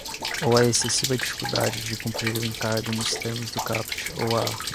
ou à excessiva dificuldade de cumprir o encargo nos termos do caput ou à